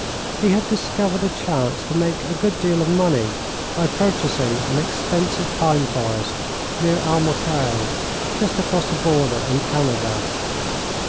He had discovered a chance to make a good deal of money by purchasing an extensive pine forest near Almaquo, just across the border in Canada.